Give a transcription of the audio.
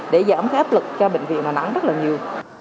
để giảm cái áp lực cho bệnh viện đà nẵng rất là nhiều